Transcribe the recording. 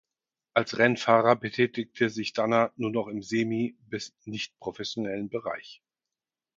Als Rennfahrer betätigte sich Danner nur noch im semi- bis nicht-professionellen Bereich.